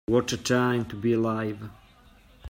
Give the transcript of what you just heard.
What a time to be alive.